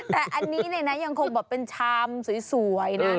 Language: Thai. แต่อันนี้เนี่ยนะยังคงแบบเป็นชามสวยนะ